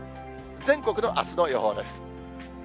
全国のあすの予報です。